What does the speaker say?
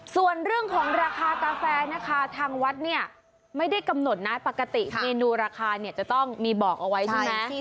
ส่วนเรื่องของราคากาแฟนะคะทางวัดเนี่ยไม่ได้กำหนดนะปกติเมนูราคาเนี่ยจะต้องมีบอกเอาไว้ใช่ไหม